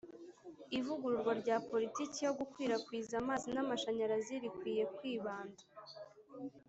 Ivugururwa rya politiki yo gukwirakwiza amazi n amashanyarazi rikwiye kwibanda